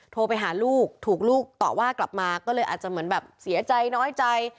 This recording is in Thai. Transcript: โทรไปหาลูกถูกลูกต่อว่ากลับมาก็เลยอาจจะเหมือนแบบเสียใจน้อยใจ